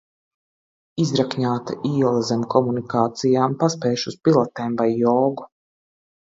Izrakņāta iela zem komunikācijām. Paspēšu uz pilatēm vai jogu.